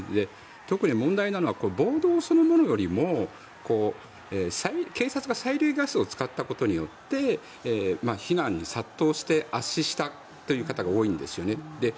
特に問題なのは暴動する者よりも警察が催涙ガスを使ったことによって避難口に殺到して圧死した方が多いということがあるんですよね。